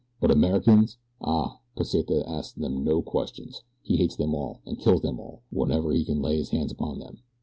But Americans! Ah, Pesita asks them no questions. He hates them all, and kills them all, whenever he can lay his hands upon them.